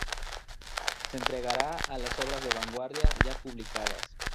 Se entregará a las obras de vanguardia ya publicadas.